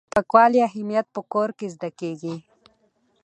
د پاکوالي اهمیت په کور کې زده کیږي.